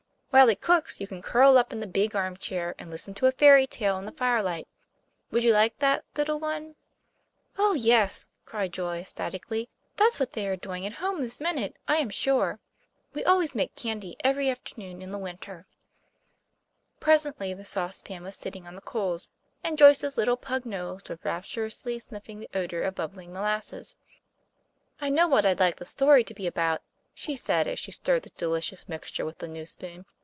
While it cooks you can curl up in the big armchair and listen to a fairy tale in the firelight. Would you like that, little one?" "Oh, yes!" cried Joyce, ecstatically. "That's what they are doing at home this minute, I am sure. We always make candy every afternoon in the winter time." Presently the saucepan was sitting on the coals, and Joyce's little pug nose was rapturously sniffing the odor of bubbling molasses. "I know what I'd like the story to be about," she said, as she stirred the delicious mixture with the new spoon.